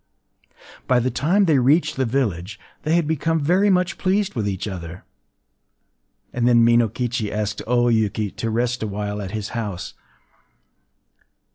” By the time they reached the village, they had become very much pleased with each other; and then Minokichi asked O Yuki to rest awhile at his house.